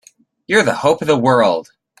You're the hope of the world!